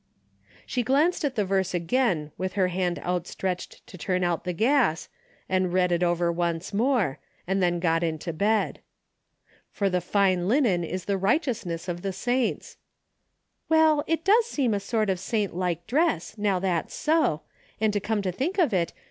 " She glanced at the verse again with her hand outstretched to turn out the gas, and read it over once more, and then got into bed. "For the fine linen is the righteousness of the DAILY RATE.' 253 ' saints! " "Well, it does seem a sort o' saint like dress, now that's so, and come to think of it.